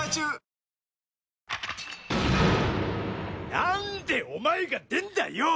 なんでおまえが出んだよ！？